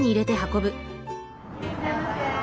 いらっしゃいませ。